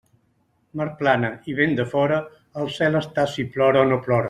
Mar plana i vent de fora, el cel està si plora o no plora.